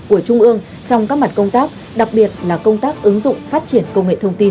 của trung ương trong các mặt công tác đặc biệt là công tác ứng dụng phát triển công nghệ thông tin